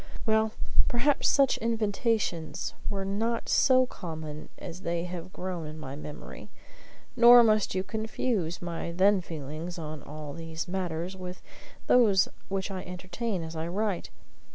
Well, perhaps such invitations were not so common as they have grown in my memory; nor must you confuse my then feelings on all these matters with those which I entertain as I write.